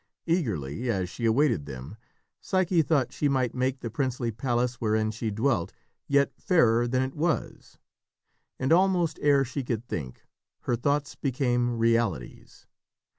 Eagerly, as she awaited them, Psyche thought she might make the princely palace wherein she dwelt yet fairer than it was. And almost ere she could think, her thoughts became realities.